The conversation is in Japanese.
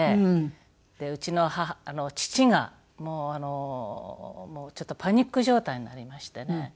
でうちの父がちょっとパニック状態になりましてね。